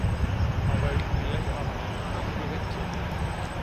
அவள் நிலை அவனை மனமுருகச் செய்தது.